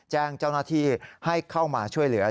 แจ้งเจ้าหน้าที่ให้เข้ามาช่วยเหลือ